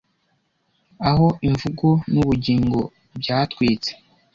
aho imvugo n'ubugingo byatwitse